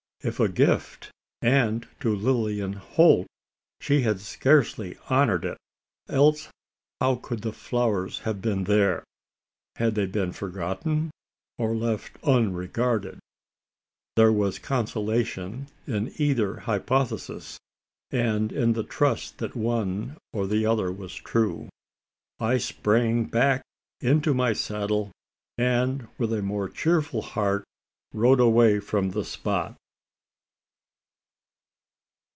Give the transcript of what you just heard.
If a gift, and to Lilian Holt, she had scarcely honoured it else how could the flowers have been there? Had they been forgotten, or left unregarded? There was consolation in either hypothesis; and, in the trust that one or the other was true, I sprang back into my saddle, and with a more cheerful heart, rode away from the spot.